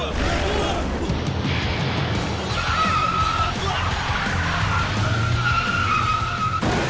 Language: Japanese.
うわっ！